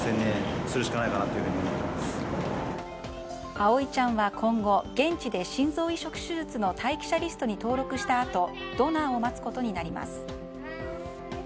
葵ちゃんは今後現地で心臓移植手術の待機者リストに登録したあとドナーを待つことになります。